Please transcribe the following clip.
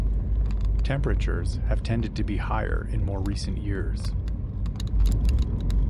Temperatures have tended to be higher in more recent years.